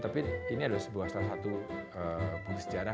tapi ini adalah salah satu buku sejarah